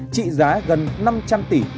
trị giá gần năm trăm linh tỷ